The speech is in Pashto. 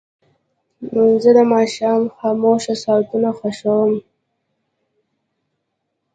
زه د ماښام خاموشه ساعتونه خوښوم.